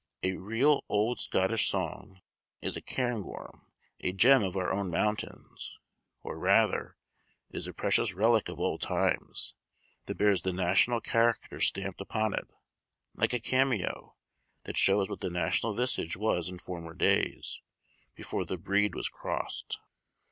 A real old Scottish song is a cairngorm a gem of our own mountains; or rather, it is a precious relic of old times, that bears the national character stamped upon it like a cameo, that shows what the national visage was in former days, before the breed was crossed."